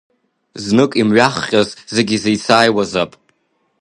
Знык имҩахҟьаз зегь изеицааиуазаап!